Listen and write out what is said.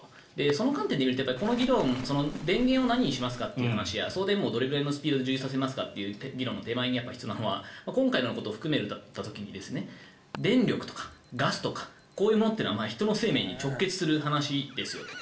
その観点でいうと電源を何にしますかという話や送電網をどれくらいのスピードで充実させますかという議論の手前に必要なのは今回のことを含めた時に電力とかガスとかこういうものって人の生命に直結する話ですよと。